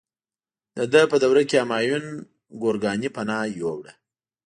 د ده په دوره کې همایون ګورکاني پناه یووړه.